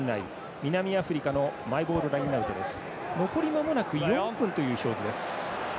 南アフリカのマイボールラインアウトです。